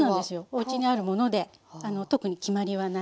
おうちにあるもので特に決まりはないです。